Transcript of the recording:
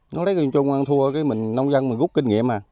nó lấy gần chung ăn thua cái mình nông dân mình rút kinh nghiệm à